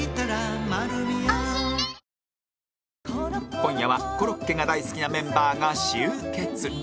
今夜はコロッケが大好きなメンバーが集結